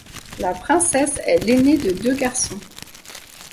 La princesse est l'aînée de deux garçons.